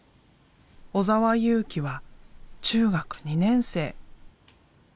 尾澤佑貴は中学２年生。